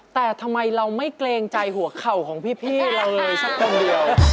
แต่ทำไมเราไม่เกรงใจหัวเข่าของพี่เราเลยสักคนเดียว